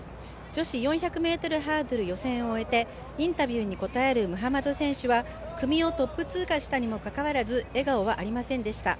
女子４００ｍハードル予選を終えてインタビューに答えるムハマド選手は組をトップ通過したにもかかわらず、笑顔はありませんでした。